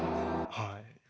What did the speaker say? はい。